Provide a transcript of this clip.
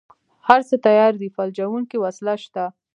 هره څه تيار دي فلجوونکې وسله شته.